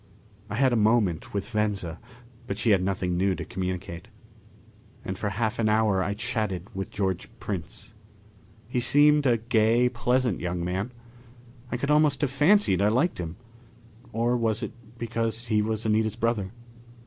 I had a moment with Venza, but she had nothing new to communicate. And for half an hour I chatted with George Prince. He seemed a gay, pleasant young man. I could almost have fancied I liked him. Or was it because he was Anita's brother?